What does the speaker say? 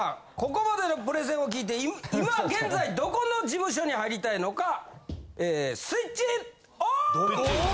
ここまでのプレゼンを聞いて今現在どこの事務所に入りたいのかスイッチオーン！